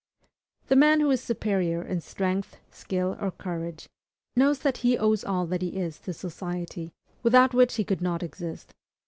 The man who is superior in strength, skill, or courage, knows that he owes all that he is to society, without which he could not exist.